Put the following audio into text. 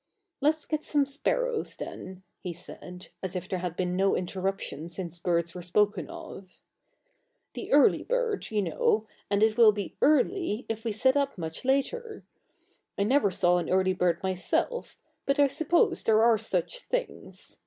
"Let's get some sparrows then," he said, as if there had been no interruption since birds were spoken of. "The early bird, you know, and it will be 'early' if we sit up much later. I never saw an early bird myself, but I suppose there are such things.